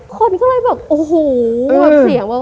คนก็เลยแบบโอ้โหเสียงว่า